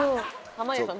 濱家さん